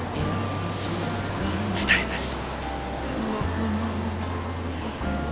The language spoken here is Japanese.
伝えます。